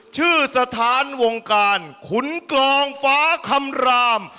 ชื่อสถานวงการขุนกรองฟ้าคำราม